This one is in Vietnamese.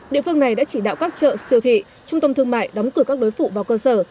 địa phương này đã chỉ đạo các chợ siêu thị trung tâm thương mại đóng cửa các đối phụ vào cơ sở